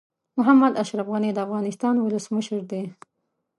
محمد اشرف غني د افغانستان ولسمشر دي.